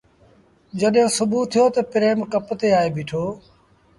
جڏهيݩٚ سُڀوٚ ٿيو تا پريم ڪپ تي آئي بيٚٺو۔